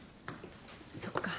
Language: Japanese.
そっか。